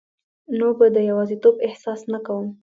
نو به د یوازیتوب احساس نه کوم